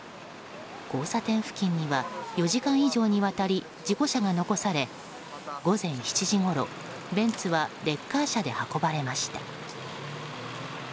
交差点付近には４時間以上にわたり事故車が残され午前７時ごろ、ベンツはレッカー車で運ばれました。